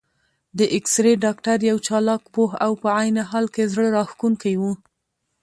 د اېکسرې ډاکټر یو چالاک، پوه او په عین حال کې زړه راښکونکی و.